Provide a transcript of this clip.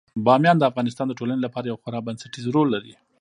بامیان د افغانستان د ټولنې لپاره یو خورا بنسټيز رول لري.